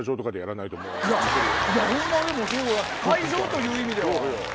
会場という意味では。